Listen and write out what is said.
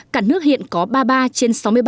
cả nước hiện có ba mươi ba trên sáu mươi ba